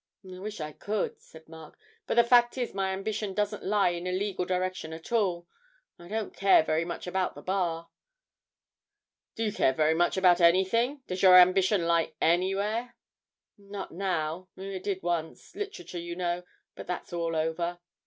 'I wish I could,' said Mark, 'but the fact is my ambition doesn't lie in a legal direction at all. I don't care very much about the Bar.' 'Do you care very much about anything? Does your ambition lie anywhere?' 'Not now; it did once literature, you know; but that's all over.'